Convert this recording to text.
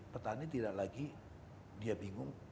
petani tidak lagi dia bingung